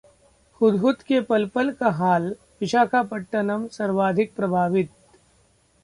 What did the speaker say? ‘हुदहुद’ के पल-पल का हाल, विशाखापट्टनम सर्वाधिक प्रभावित